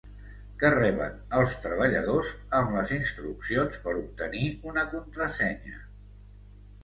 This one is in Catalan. Què reben els treballadors amb les instruccions per obtenir una contrasenya?